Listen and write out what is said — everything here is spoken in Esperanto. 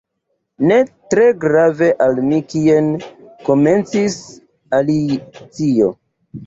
"Ne tre grave al mi kien" komencis Alicio.